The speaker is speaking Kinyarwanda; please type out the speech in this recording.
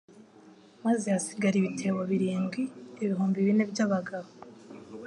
maze hasigara ibitebo birindwi. Ibihumbi bine by'abagabo,